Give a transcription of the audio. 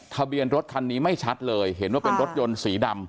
ทะเบียนรถคันนี้ไม่ชัดเลยเห็นว่าเป็นรถยนต์สีดำ